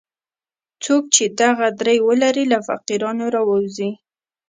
څوک چې دغه درې ولري له فقیرانو راووځي.